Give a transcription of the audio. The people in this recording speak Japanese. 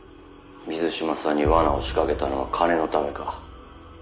水島さんに罠を仕掛けたのは金のためか？